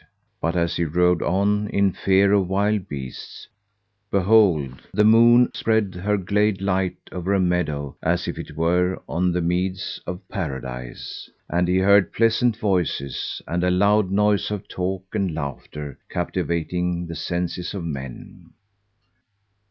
But as he rode on, in fear of wild beasts, behold, the moon spread her glad light over a meadow as if 'twere of the meads of Paradise; and he heard pleasant voices and a loud noise of talk and laughter captivating the senses of men.